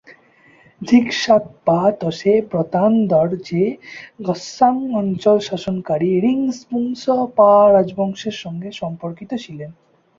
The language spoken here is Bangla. ঝিগ-শাগ-পা-ত্শে-ব্র্তান-র্দো-র্জে গ্ত্সাং অঞ্চল শাসনকারী রিং-স্পুংস-পা রাজবংশের সঙ্গে সম্পর্কিত ছিলেন।